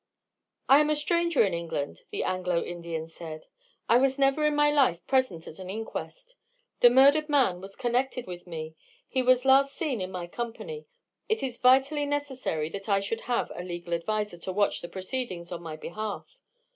"I am a stranger in England," the Anglo Indian said; "I was never in my life present at an inquest. The murdered man was connected with me. He was last seen in my company. It is vitally necessary that I should have a legal adviser to watch the proceedings on my behalf.